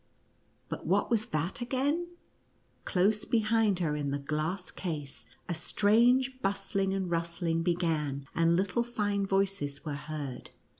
But what was that again ! Close behind her in the glass case a strange bustling and rustling began, and little fine voices were heard.